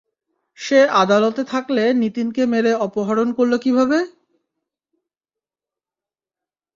সে আদালতে থাকলে নিতিনকে মেরে অপহরণ করল কীভাবে?